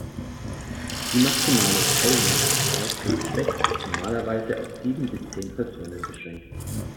Die maximale Teilnehmeranzahl pro Geschlecht ist normalerweise auf sieben bis zehn Personen beschränkt.